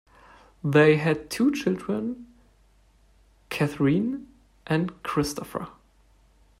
They had two children, Catherine and Christopher.